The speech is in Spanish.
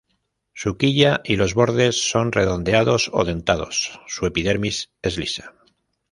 Su quilla y los bordes son redondeados o dentados, su epidermis es lisa.